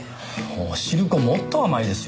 おしるこもっと甘いですよ。